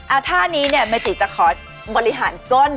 ท่านี้เนี่ยเมติจะขอบริหารก้น